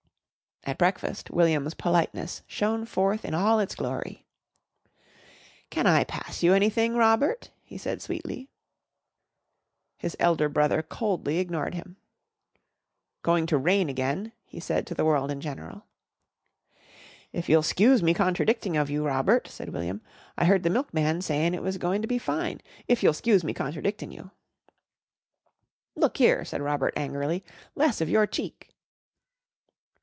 At breakfast William's politeness shone forth in all its glory. "Can I pass you anything, Robert?" he said sweetly. His elder brother coldly ignored him. "Going to rain again," he said to the world in general. "If you'll 'scuse me contradicting of you Robert," said William, "I heard the milkman sayin' it was goin' to be fine. If you'll 'scuse me contradictin' you." "Look here!" said Robert angrily, "Less of your cheek!"